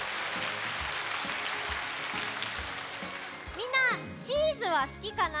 みんなチーズはすきかな？